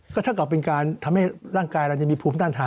ก็เท่ากับเป็นการทำให้ร่างกายเราจะมีภูมิต้านทาน